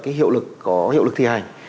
cái hiệu lực có hiệu lực thi hành